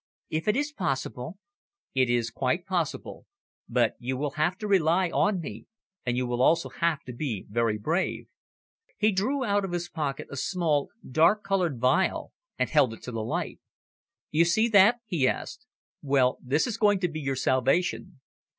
"If it is possible." "It is quite possible, but you will have to rely on me, and you will also have to be very brave." He drew out of his pocket a small, dark coloured phial, and held it to the light. "You see that?" he asked. "Well, this is going to be your salvation."